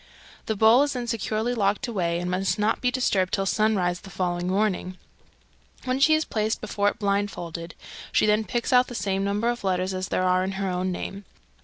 The bowl is then securely locked away, and must not be disturbed till sunrise the following morning, when she is placed before it blindfolded. She then picks out the same number of letters as there are in her own name.